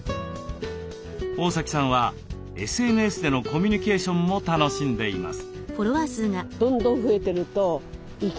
大崎さんはＳＮＳでのコミュニケーションも楽しんでいます。